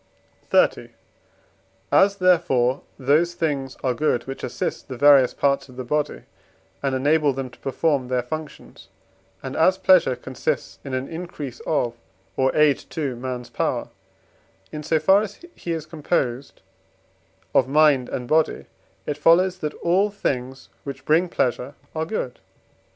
XXX. As, therefore, those things are good which assist the various parts of the body, and enable them to perform their functions; and as pleasure consists in an increase of, or aid to, man's power, in so far as he is composed of mind and body; it follows that all those things which bring pleasure are good.